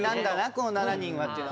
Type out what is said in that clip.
この７人はっていうの。